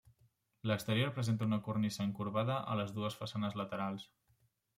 L'exterior presenta una cornisa encorbada a les dues façanes laterals.